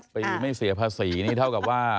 หรือไม่เสียภาษีนี่เท่ากับว่า